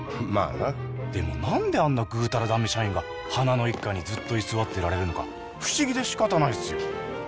まあなでも何であんなぐうたらダメ社員が花の一課にずっと居座ってられるのか不思議でしかたないっすよ